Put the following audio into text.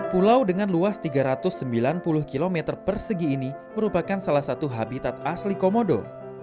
pulau dengan luas tiga ratus sembilan puluh km persegi ini merupakan salah satu habitat asli komodo